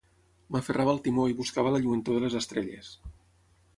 M'aferrava al timó i buscava la lluentor de les estrelles.